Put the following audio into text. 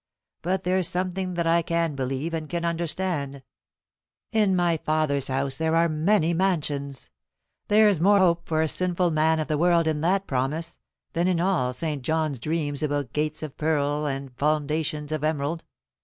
But there's something that I can believe and can understand: 'In my Father's house there are many mansions.' There's more hope for a sinful man of the world in that promise than in all St. John's dreams about gates of pearl and foundations of emerald."